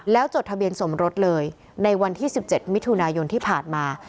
แล้วจดทะเบียนสมรสเลยในวันที่๑๗มิถุนายนที่ผ่านมา